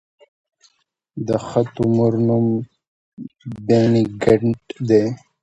د ښه تومور نوم بېنیګنټ دی.